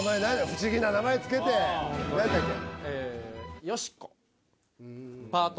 不思議な名前つけて何やったっけ？